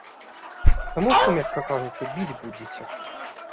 Таму што, мякка кажучы, біць будзеце.